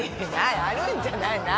あるんじゃないの何？